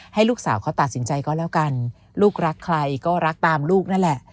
ให้ลูกสาวเขาตัดสินใจก็แล้วกันลูกรักใครก็รักตามลูกนั่นแหละ